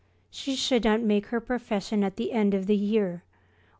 she should not make her profession at the end of the year.